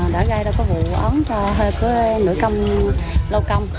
đã gây ra vụ ấn hơi nổi công lâu công